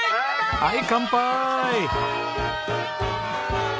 はい乾杯！